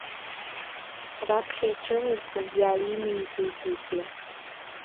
Раԥхьа ицәырызгаз иааимидеит егьи.